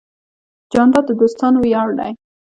جانداد د دوستانو ویاړ دی.